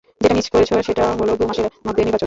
যেটা মিস করেছ সেটা হলো দু মাসের মধ্যে নির্বাচন।